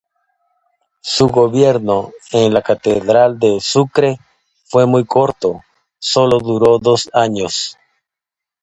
Su gobierno en la catedral de Sucre fue muy corto, sólo duró dos años.